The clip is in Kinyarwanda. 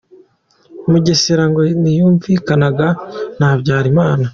Mugesera ngo ntiyumvikanaga na Habyarimana